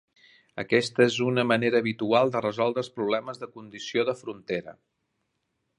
Aquesta és una manera habitual de resoldre els problemes de condició de frontera.